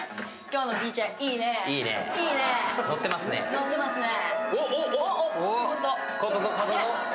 のってますね。